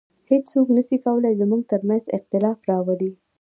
هیڅوک نسي کولای زموږ تر منځ اختلاف راولي